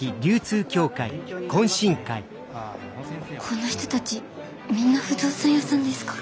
この人たちみんな不動産屋さんですか？